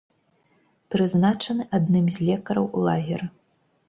Прызначаны адным з лекараў у лагеры.